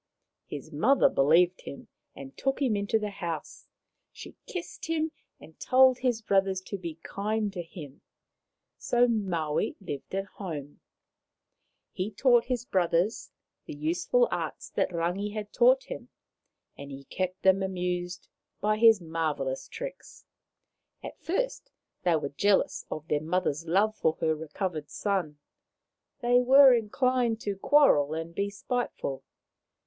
His mother believed him and took him into the house. She kissed him and told his brothers to be kind to him. So Maui lived at home. 84 Maoriland Fairy Tales He taught his brothers the useful arts that Rangi had taught him, and he kept them amused by his marvellous tricks. At first they were jealous of their mother's love for her recovered son ; they were inclined to quarrel and be spite ful.